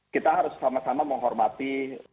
kita harus sama sama menghormati